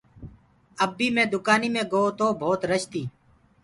ابيٚ مي دُڪآنيٚ مي گوو تو ڀوت رش تيٚ